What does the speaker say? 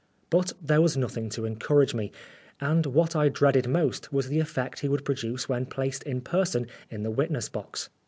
But there was nothing to encourage me, and what I dreaded most was the effect he would produce when placed in person in the witness box.